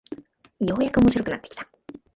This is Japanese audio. ようやく面白くなってきた